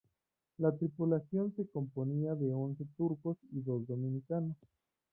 La tripulación se componía de once turcos y dos dominicanos.